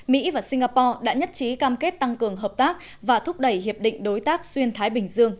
mỹ và singapore đã nhất trí cam kết tăng cường hợp tác và thúc đẩy hiệp định đối tác xuyên thái bình dương